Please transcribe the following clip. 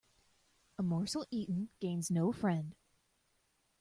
A morsel eaten gains no friend.